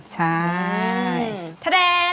ใช่